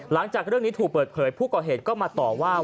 หลังจากเรื่องนี้ถูกเปิดเผยผู้ก่อเหตุก็มาต่อว่า